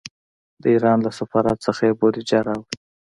د ایران له سفارت څخه یې بودجه راوړه.